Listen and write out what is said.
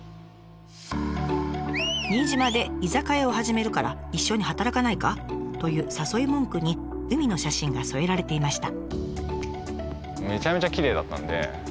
「新島で居酒屋を始めるから一緒に働かないか？」という誘い文句に海の写真が添えられていました。